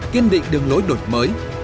kiên định đường lối đổi mới